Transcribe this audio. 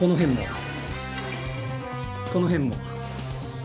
この辺も。